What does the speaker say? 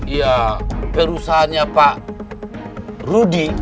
ya perusahaannya pak rudi